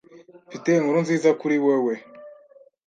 Mfite inkuru nziza kuri wewe, .